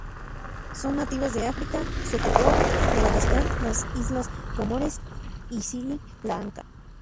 Son nativas de África, Socotora, Madagascar, las Islas Comores y Sri Lanka.